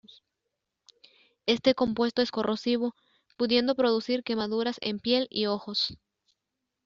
Este compuesto es corrosivo, pudiendo producir quemaduras en piel y ojos.